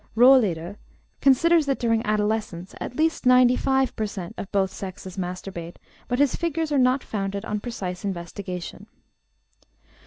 Rohleder considers that during adolescence at least 95 per cent. of both sexes masturbate, but his figures are not founded on precise investigation.